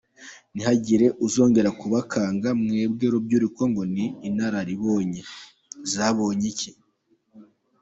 – Ntihagire uzongera kubakanga mwebwe Rubyiruko ngo ni “inararibonye” zabonye iki?